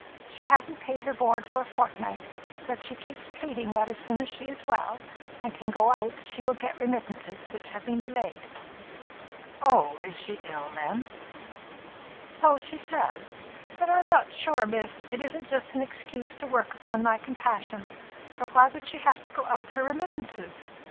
She hasn't paid her board for a fortnight, but she keeps pleading that as soon as she is well, and can go out, she will get remittances which have been delayed." "Oh, she is ill, then?" "So she says. But I'm not sure, miss, it isn't just an excuse to work upon my compassion, for why should she have to go out for remittances?